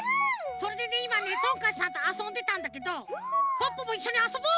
それでねいまねトンカチさんとあそんでたんだけどポッポもいっしょにあそぼう！